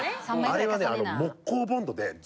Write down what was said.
あれはね。